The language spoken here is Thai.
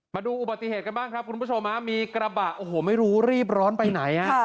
มาดูอุบัติเหตุกันบ้างครับคุณผู้ชมฮะมีกระบะโอ้โหไม่รู้รีบร้อนไปไหนฮะ